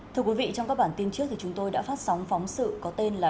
thưa quý vị trong các bản tin trước thì chúng tôi đã phát sóng phóng sự có tên là